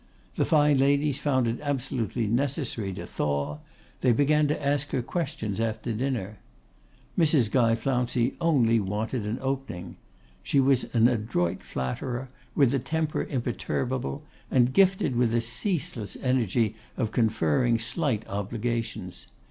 The fine ladies found it absolutely necessary to thaw: they began to ask her questions after dinner. Mrs. Guy Flouncey only wanted an opening. She was an adroit flatterer, with a temper imperturbable, and gifted with a ceaseless energy of conferring slight obligations.